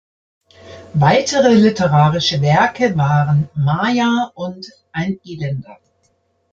Weitere literarische Werke waren "Maja" und "Ein Elender".